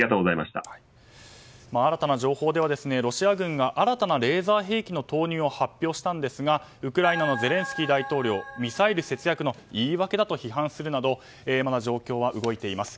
新たな情報ではロシア軍が新たなレーザー兵器の投入を発表したんですがウクライナのゼレンスキー大統領ミサイル節約の言い訳だと批判するなどまだ状況は動いています。